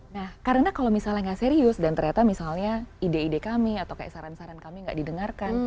nah karena kalau misalnya nggak serius dan ternyata misalnya ide ide kami atau kayak saran saran kami nggak didengarkan